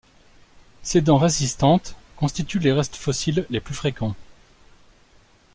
Ces dents résistantes constituent les restes fossiles les plus fréquents.